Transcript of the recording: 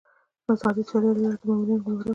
د آزادې سیالۍ له لارې د مامورینو ګمارل.